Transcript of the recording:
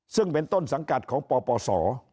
ซึ่งเป็นต้นสังกัดของปปศ